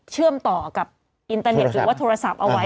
เชื่อมต่อกับอินเตอร์เน็ตหรือว่าโทรศัพท์เอาไว้